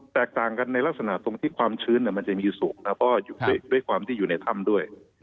แตกต่างกันในลักษณะตรงที่ความชื้นมันจะมีสูงนะเพราะว่าด้วยความที่อยู่ในถ้ำด้วย